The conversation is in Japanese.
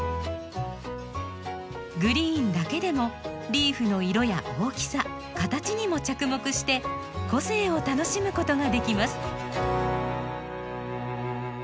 グリーンだけでもリーフの色や大きさ形にも着目して個性を楽しむことができます。